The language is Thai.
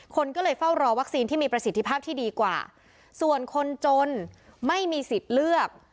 คนก็เลยเฝ้ารอวัคซีนที่มีประสิทธิภาพที่ดีกว่าส่วนคนจนไม่มีสิทธิ์เลือก